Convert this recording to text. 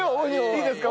いいですか？